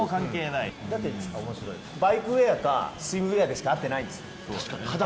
バイクウェアかスイムウェアでしか会ってないんです。